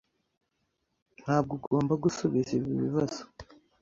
Ntabwo ugomba gusubiza ibi bibazo.